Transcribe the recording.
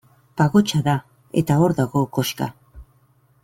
Pagotxa da, eta hor dago koxka.